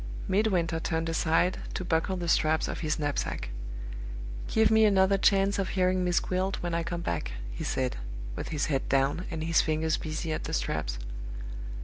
Midwinter turned aside to buckle the straps of his knapsack. "Give me another chance of hearing Miss Gwilt when I come back," he said, with his head down, and his fingers busy at the straps.